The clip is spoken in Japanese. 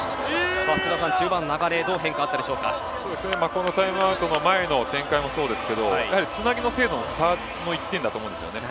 中盤の流れこのタイムアウトの前の展開もそうですけどやはり、つなぎの精度のサーブの１点だと思うんです。